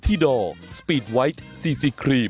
อืออืม